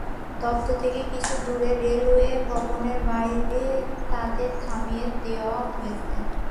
দপ্তর থেকে কিছু দূরে রেলওয়ে ভবনের বাইরে তাঁদের থামিয়ে দেওয়া হয়েছে।